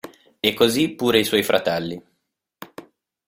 E così pure i suoi fratelli.